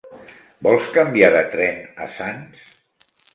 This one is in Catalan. Vols canviar de tren a Sants?